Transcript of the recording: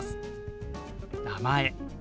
「名前」。